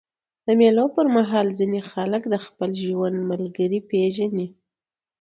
د مېلو پر مهال ځيني خلک د خپل ژوند ملګری پېژني.